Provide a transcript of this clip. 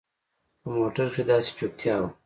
په موټر کښې داسې چوپتيا وه.